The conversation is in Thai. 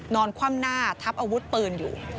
คว่ำหน้าทับอาวุธปืนอยู่